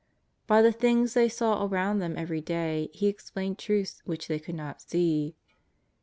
By the things they saw around them every day He explained truths which they could not see.